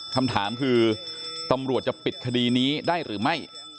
คำถามคือตำรวจจะปิดคดีนี้ได้หรือไม่